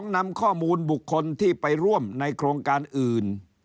นำข้อมูลบุคคลที่ไปร่วมในโครงการอื่น